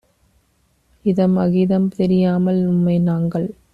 இதம்அகிதம் தெரியாமல் உம்மை நாங்கள்